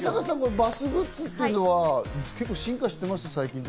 バスグッズっていうのは進化してます？